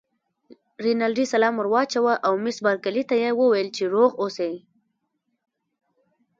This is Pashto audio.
رینالډي سلام ور واچاوه او مس بارکلي ته یې وویل چې روغ اوسی.